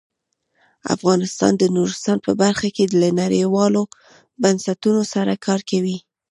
افغانستان د نورستان په برخه کې له نړیوالو بنسټونو سره کار کوي.